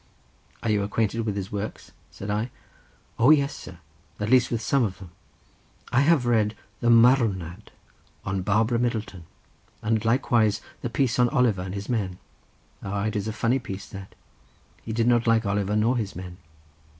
"Are you acquainted with his works?" said I. "O yes, sir, at least with some of them. I have read the Marwnad on Barbara Middleton; and likewise the piece on Oliver and his men. Ah, it is a funny piece that—he did not like Oliver nor his men."